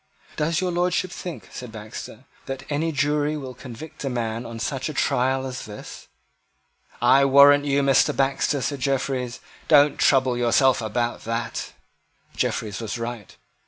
"Does your Lordship think," said Baxter, "that any jury will convict a man on such a trial as this?" "I warrant you, Mr. Baxter," said Jeffreys: "don't trouble yourself about that." Jeffreys was right.